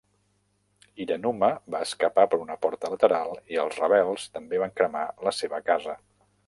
Hiranuma va escapar per una porta lateral i els rebels també van cremar la seva casa.